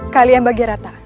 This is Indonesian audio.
kalian bagi rata